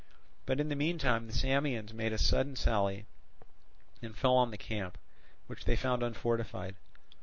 But in the meantime the Samians made a sudden sally, and fell on the camp, which they found unfortified.